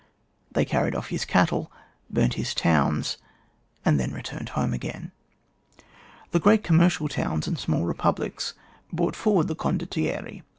They carried off his cattle, burnt his towns, and then returned home again. The great commercial towns and small republics4>rought forward the condottieri.